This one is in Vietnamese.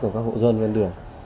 của các hộ dân bên đường